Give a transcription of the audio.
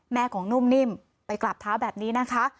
แม่ของนุ่มนิ่มไปกราบเท้าแบบนี้นะคะ